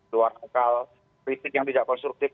luar akal kritik yang tidak konstruktif